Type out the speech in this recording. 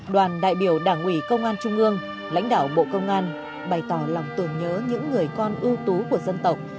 đoàn đại biểu đảng ủy công an trung ương lãnh đạo bộ công an bày tỏ lòng tưởng nhớ những người con ưu tú của dân tộc